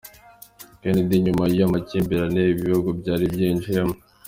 Kennedy; nyuma y’amakimbirane ibi bihugu byari byinjiyemo.